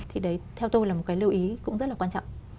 thì đấy theo tôi là một cái lưu ý cũng rất là quan trọng